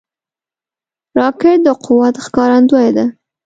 راکټ د قوت ښکارندوی ده